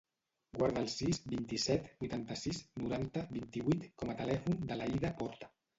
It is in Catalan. Guarda el sis, vint-i-set, vuitanta-sis, noranta, vint-i-vuit com a telèfon de l'Aïda Porta.